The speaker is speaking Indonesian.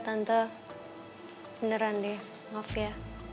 tante beneran deh maaf ya